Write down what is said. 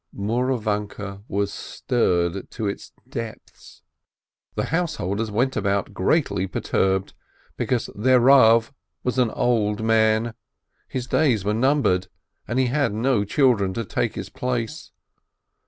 Mouravanke was stirred to its depths. The house holders went about greatly perturbed, because their Rav was an old man, his days were numbered, and he had no children to take his place.